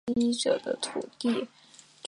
浣熊市会随时间不同而设定有所不同。